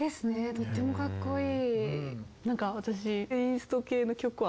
とってもかっこいい。